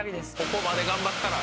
ここまで頑張ったら。